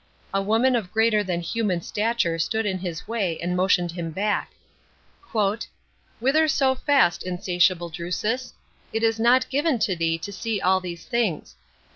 A woman of greater than human stature stood in his way and motioned him back. " Whither so fast, insatiable Drusus ? It is not given to thee to see all these things.